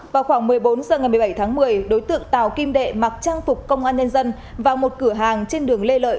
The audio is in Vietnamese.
vào khoảng một mươi bốn h ngày một mươi bảy tháng một mươi đối tượng tào kim đệ mặc trang phục công an nhân dân vào một cửa hàng trên đường lê lợi